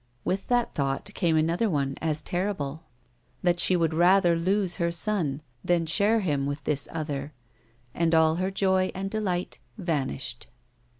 With that thought came another one as terrible — that she would rather lose her son than share him with this other ; and all her joy and delight vanished.